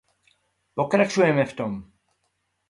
Pokračujme v tom.